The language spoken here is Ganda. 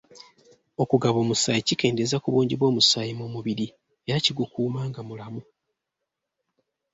Okugaba omusaayi kikendeeza ku bungi bw'omusaayi mu mubiri era kigukuuma nga mulamu.